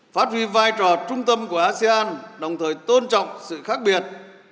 phát huy vai trò trung tâm của asean đồng thời tôn trọng sự khác biệt